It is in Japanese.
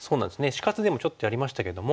死活でもちょっとやりましたけども。